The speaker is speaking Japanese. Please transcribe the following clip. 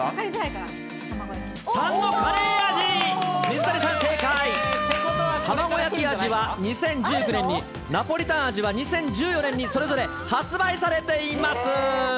水谷さん、正解。ってことはたまご焼き味は２０１９年にナポリタン味は２０１４年に、それぞれ発売されています。